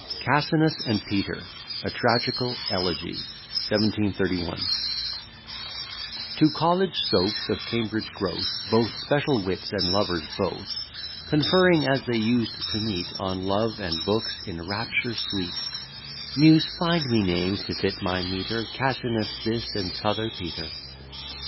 CASSINUS AND PETER A TRAGICAL ELEGY 1731 Two college sophs of Cambridge growth, Both special wits and lovers both, Conferring, as they used to meet, On love, and books, in rapture sweet; (Muse, find me names to fit my metre, Cassinus this, and t'other Peter.)